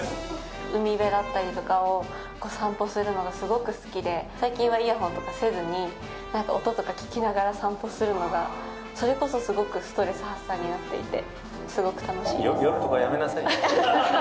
海辺だったりとかを散歩するのがすごく好きで、最近はイヤホンとかせずに、なんか音とか聞きながら散歩するのが、それこそすごくストレス発散になっていて、夜とかやめなさいね。